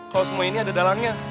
kalau semua ini ada dalangnya